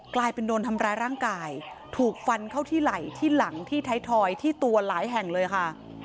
กลายเป็นโดนทำร้ายร่างกายถูกฟันเข้าที่ไหล่ที่หลังที่ไทยทอยที่ตัวหลายแห่งเลยค่ะ